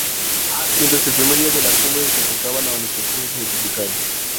Mientras el primer día de la cumbre se acercaba, los manifestantes se multiplicaron.